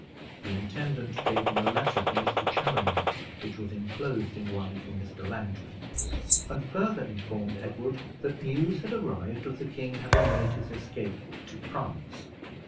The intendant gave him a letter for Mr. Chaloner, which was inclosed in one from Mr. Langton; and further informed Edward that news had arrived of the king having made his escape to France.